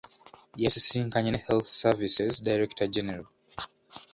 Yasisinkanye ne health Services Director-General.